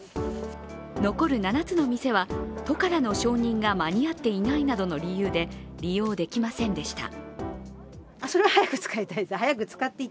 残る７つの店は都からの承認が間に合っていないなどの理由で利用できませんでした。